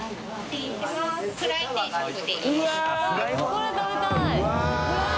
これ食べたい。